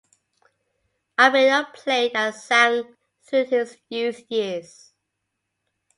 Albino played and sang through his youth years.